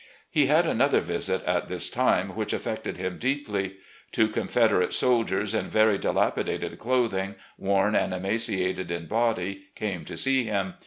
He had another visit at this time which affected him deeply. Two Confederate soldiers in very dilapidated clothing, worn and emaciated in body, came to see him.